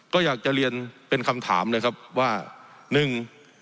ก็อยากจะเรียนเป็นคำถามเลยครับว่าหนึ่ง